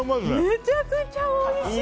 めちゃくちゃおいしい！